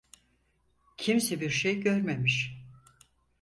Kimse bir şey görmemiş.